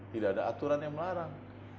tidak ada aturan yang melarang